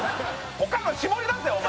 他の絞り出せお前！